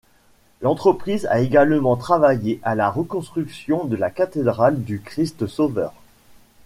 L'entreprise a également travaillé à la reconstruction de la cathédrale du Christ-Sauveur.